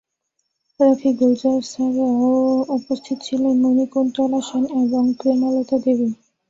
রাখী গুলজার ছাড়াও উপস্থিত ছিলেন মণিকুন্তলা সেন এবং প্রেমলতা দেবী।